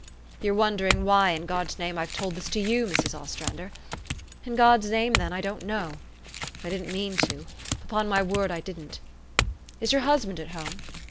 You're wondering why, in God's name, I've told this to you, Mrs. Ostrander. In God's name, then, I don't know ! I didn't mean to ; upon my word I didn't. Is your husband at home